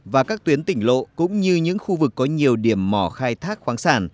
và các tuyến tỉnh lộ cũng như những khu vực có nhiều điểm mỏ khai thác khoáng sản